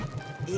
shhh yang itu